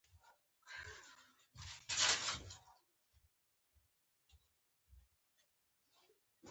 آیا او په خپلو خلکو نه ده؟